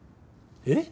えっ？